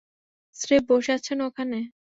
স্রেফ বসে আছেন ওখানে।